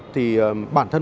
thì bản thân